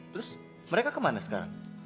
terus mereka kemana sekarang